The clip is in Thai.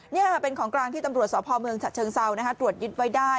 นี่ค่ะเป็นของกลางที่ตำรวจสพเชิงเซาตรวจยึดไว้ได้